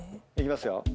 いきますよ。